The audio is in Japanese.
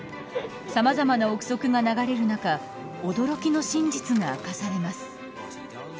さまざまな臆測が流れる中驚きの真実が明かされます。